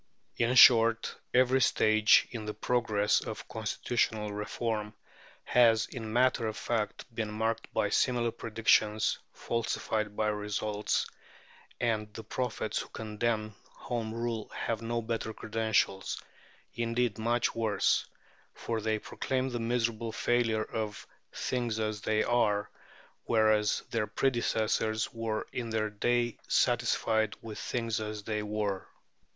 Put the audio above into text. In short, every stage in the progress of constitutional reform has, in matter of fact, been marked by similar predictions falsified by results, and the prophets who condemn Home Rule have no better credentials; indeed, much worse, for they proclaim the miserable failure of "things as they are," whereas their predecessors were in their day satisfied with things as they were.